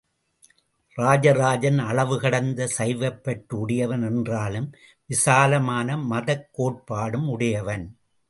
ராஜராஜன் அளவு கடந்து சைவப்பற்று உடையவன் என்றாலும் விசாலமான மதக் கோட்பாடும் உடையவன்.